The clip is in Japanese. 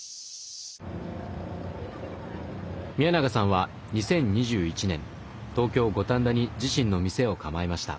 宮永さんは２０２１年東京五反田に自身の店を構えました。